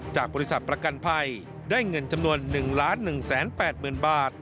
จากบริษัทประกันภัยได้เงินจำนวน๑๑๘๐๐๐บาท